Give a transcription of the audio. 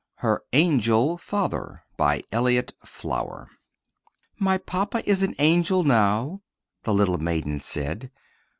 HER "ANGEL" FATHER BY ELLIOTT FLOWER "My Papa is an angel now," The little maiden said.